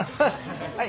はい。